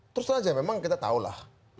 terus aja memang kita tahulah